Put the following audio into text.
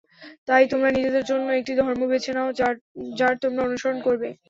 তাই তোমরা নিজেদের জন্য একটি ধর্ম বেছে নাও যার তোমরা অনুসরণ করবে।